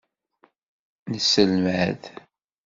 Nesselmad.